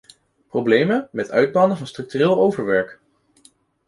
Problemen met uitbannen van structureel overwerk.